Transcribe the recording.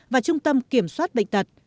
và trung tâm kiểm soát bệnh tật